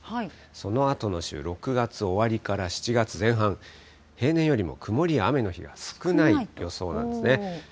そのあとの週、６月終わりから７月前半、平年よりも曇りや雨の日が少ない予想なんですね。